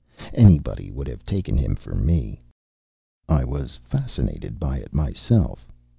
Anybody would have taken him for me. I was fascinated by it myself.